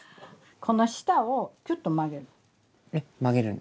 この下をキュッと曲げる。